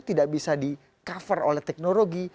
tidak bisa di cover oleh teknologi